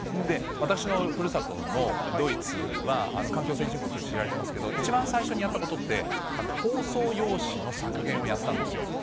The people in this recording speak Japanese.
私のふるさとのドイツは、環境先進国として知られてますけど、一番最初にやったことって、包装用紙の削減をやったんですよ。